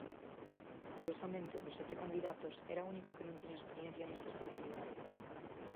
Curiosamente, dos sete candidatos, era o único que non tiña experiencia nesta especialidade.